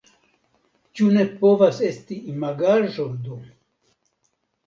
Ĉu ne povas esti imagaĵo do!